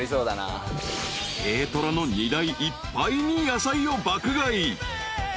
［軽トラの荷台いっぱいに野菜を爆買い］